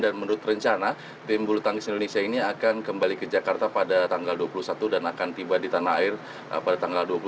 dan menurut rencana tim bulu tangkis indonesia ini akan kembali ke jakarta pada tanggal dua puluh satu dan akan tiba di tanah air pada tanggal dua puluh tiga